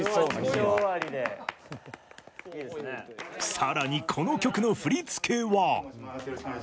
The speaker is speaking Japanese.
更に、この曲の振り付けは。